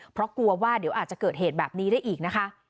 เพราะกลัวว่าเดี๋ยวอาจจะเกิดเหตุแบบนี้ได้อีกนะคะ